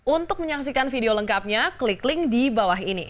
untuk menyaksikan video lengkapnya klik link di bawah ini